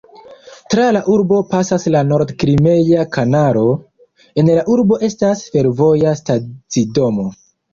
Tra la urbo pasas la nord-krimea kanalo; en la urbo estas fervoja stacidomo.